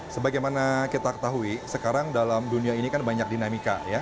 sebagai mana kita ketahui sekarang dalam dunia ini banyak dinamika